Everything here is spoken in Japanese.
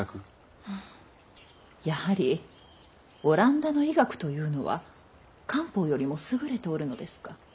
やはりオランダの医学というのは漢方よりも優れておるのですか。